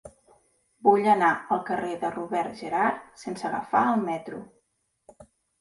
Vull anar al carrer de Robert Gerhard sense agafar el metro.